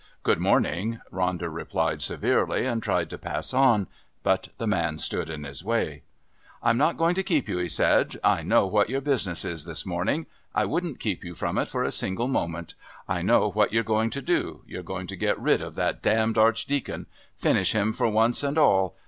"Good morning," Ronder replied severely, and tried to pass on. But the man stood in his way. "I'm not going to keep you," he said. "I know what your business is this morning. I wouldn't keep you from it for a single moment. I know what you're going to do. You're going to get rid of that damned Archdeacon. Finish him for once and all.